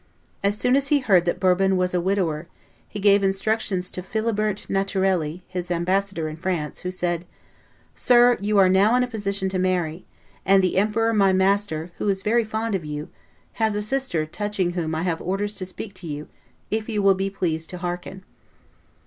As soon as he heard that Bourbon was a widower, he gave instructions to Philibert Naturelli, his ambassador in France, who said, "Sir, you are now in a position to marry, and the emperor, my master, who is very fond of you, has a sister touching whom I have orders to speak to you if you will be pleased to hearken."